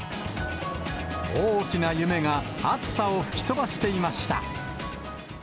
大きな夢が暑さを吹き飛ばしていました。